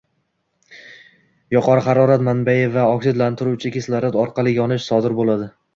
yuqori harorat manbai va oksidlantiruvchi kislorod orqali yonish sodir bo’ladi.